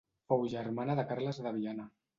Fou germana de Carles de Viana.